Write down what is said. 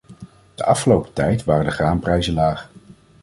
De afgelopen tijd waren de graanprijzen laag.